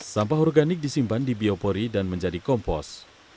sampah organik disimpan di biopori dan menjadi kompos